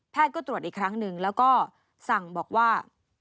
ก็ตรวจอีกครั้งหนึ่งแล้วก็สั่งบอกว่า